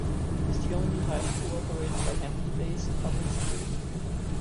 It is the only high school operated by Hampton Bays Public Schools.